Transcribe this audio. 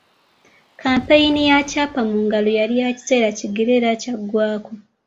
Kkampeyini ya Kyapa Mu Ngalo yali ya kiseera kigere era kyaggwako.